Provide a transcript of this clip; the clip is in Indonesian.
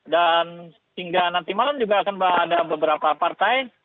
dan hingga nanti malam juga akan ada beberapa partai